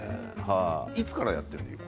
いつからやっているの？